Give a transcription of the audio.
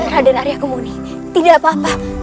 raden arya kumuni tidak apa apa